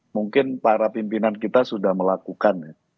mungkin para pimpinan kita sudah melakukan ya